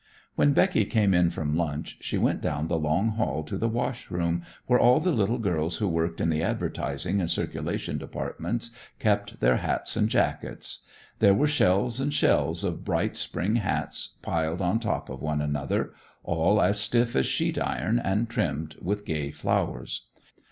When Becky came in from lunch she went down the long hall to the wash room, where all the little girls who worked in the advertising and circulation departments kept their hats and jackets. There were shelves and shelves of bright spring hats, piled on top of one another, all as stiff as sheet iron and trimmed with gay flowers.